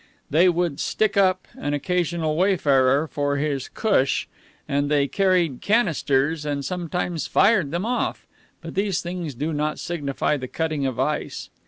They would "stick up" an occasional wayfarer for his "cush," and they carried "canisters" and sometimes fired them off, but these things do not signify the cutting of ice.